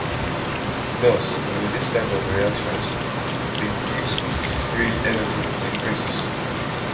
Thus in this type of reactions the Gibbs free energy decreases.